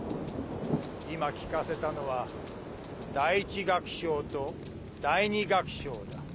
今聴かせたのは第一楽章と第二楽章だ。